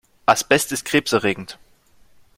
Asbest ist krebserregend.